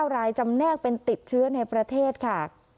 รายจำแนกเป็นติดเชื้อในประเทศค่ะ